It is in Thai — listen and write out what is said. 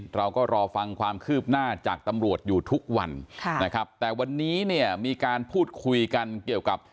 เราก็รอฟังความคืบหน้าจากตำรวจอยู่ทุกวันค่ะนะครับแต่วันนี้เนี่ยมีการพูดคุยกันเกี่ยวกับ